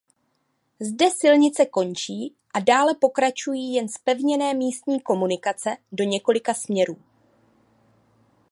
Zde silnice končí a dále pokračují jen zpevněné místní komunikace do několika směrů.